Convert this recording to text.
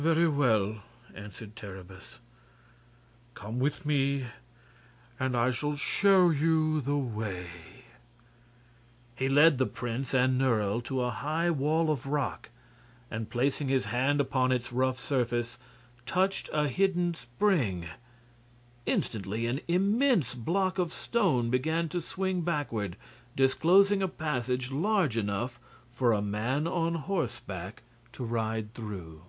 "Very well," answered Terribus. "Come with me, and I shall show you the way." He led the prince and Nerle to a high wall of rock, and placing his hand upon its rough surface, touched a hidden spring. Instantly an immense block of stone began to swing backward, disclosing a passage large enough for a man on horseback to ride through.